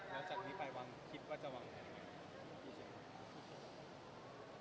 แล้วจากนี้ไปวางคิดว่าจะวางแผนไหม